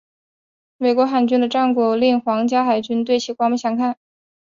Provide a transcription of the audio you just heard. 美国海军的战果令皇家海军对其刮目相看。